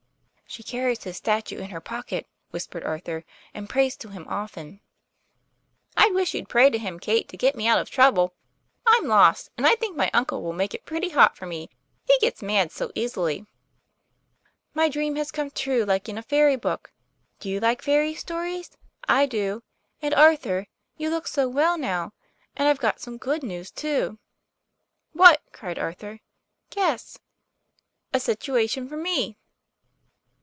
:< She carries his statue in her pocket," whispered Arthur, "and prays to him often." '* I wish you'd pray to him, Kate, to get me out of trouble. I'm lost and I think my uncle will make it pretty hot for me. He gets mad so easily! ';< My dream has come true, like in a fairy book. Do you like fairy stories ? I do. And, Arthur, you look so well now. And I've got some good news, too. " "What?" cried Arthur. "Guess." "A situation for me."